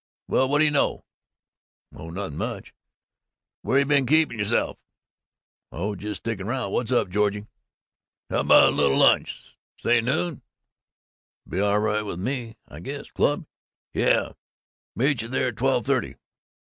Well, what do you know?" "Oh, nothing much." "Where you been keepin' yourself?" "Oh, just stickin' round. What's up, Georgie?" "How 'bout lil lunch's noon?" "Be all right with me, I guess. Club?" "Yuh. Meet you there twelve thirty."